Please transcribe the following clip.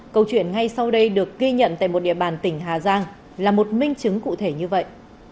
câu chuyện ngay sau đây được ghi nhận tại một địa bàn tỉnh hà giang là một minh chứng cụ thể như vậy